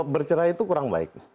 bercerai itu kurang baik